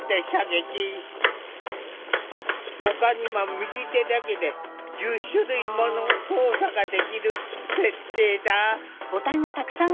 ほかにも右手だけで１０種類もの操作ができる設定だ。